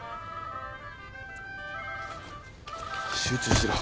集中しろ。